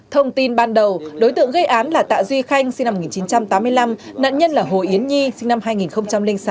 thông tin ban đầu đối tượng gây án là tạ duy khanh sinh năm một nghìn chín trăm tám mươi năm nạn nhân là hồ yến nhi sinh năm hai nghìn sáu